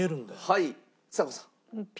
はいちさ子さん。